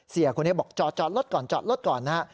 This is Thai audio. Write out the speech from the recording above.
เสียคนนี้บอกจอดรถก่อนจอดรถก่อนนะฮะ